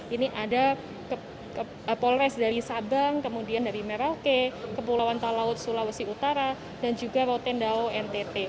ini ada polres dari sabang kemudian dari merauke kepulauan talaut sulawesi utara dan juga rotendao ntt